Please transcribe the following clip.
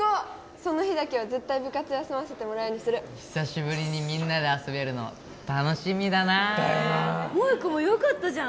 その日だけは絶対部活休ませてもらうようにする久しぶりにみんなで遊べるの楽しみだなだよな萌子もよかったじゃん